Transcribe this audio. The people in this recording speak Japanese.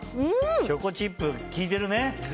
チョコチップ、利いてるね。